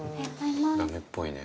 ダメっぽいね。